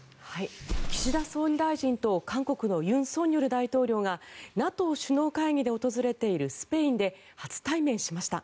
岸田総理大臣と韓国の尹錫悦大統領がＮＡＴＯ首脳会議で訪れているスペインで初対面しました。